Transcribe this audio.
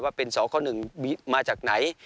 ว่าเป็นสคหนึ่งมาจากไหน